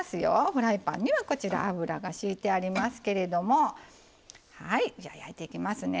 フライパンにはこちら油がひいてありますけれどもはいじゃあ焼いていきますね。